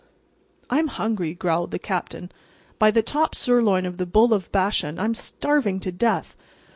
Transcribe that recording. "I'm hungry," growled the Captain—"by the top sirloin of the Bull of Bashan, I'm starving to death.